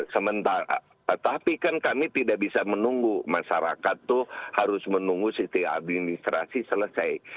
sementara tetapi kan kami tidak bisa menunggu masyarakat itu harus menunggu sistem administrasi selesai